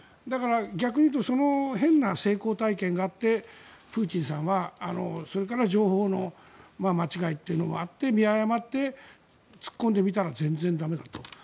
だから、逆に言うと変な成功体験があってプーチンさんは、それから情報の間違いというのもあって見誤って、突っ込んでみたら全然駄目だと。